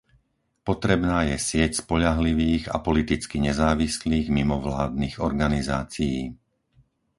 Potrebná je sieť spoľahlivých a politicky nezávislých mimovládnych organizácií.